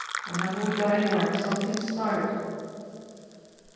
Whenever we got anywhere something started."